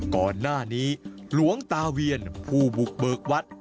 ก่อนหน้านี้หลวงตาเวียนผู้บุกเบิกวัด